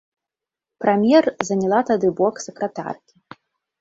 Прамер заняла тады бок сакратаркі.